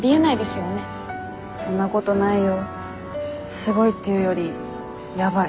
すごいっていうよりやばい。